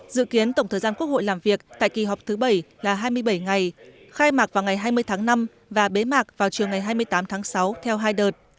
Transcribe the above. dự kiến tổng thời gian quốc hội làm việc tại kỳ họp thứ bảy là hai mươi bảy ngày khai mạc vào ngày hai mươi tháng năm và bế mạc vào chiều ngày hai mươi tám tháng sáu theo hai đợt